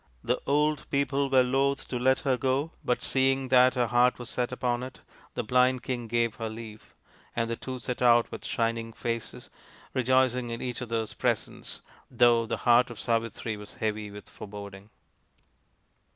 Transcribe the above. The old people were loth to let her go, but, seeing that her heart was set upon it, the blind king gavje her leave ; and the two set out with shining faces, rejoicing in each other's presence, though the heart of Savitri was heavy with foreboding.